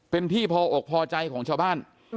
เป็นที่พออกพอใจของชาวบ้าน